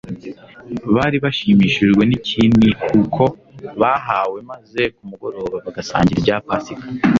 bari bashimishijwe n'ikinihuko bahawe maze ku mugoroba bagasangira ibya pasika.